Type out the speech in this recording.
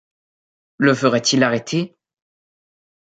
le ferait-il arrêter ?